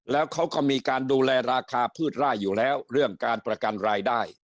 แล้วเขาก็มีการดูแลราคาพืชไร่อยู่แล้วเรื่องการประกันรายได้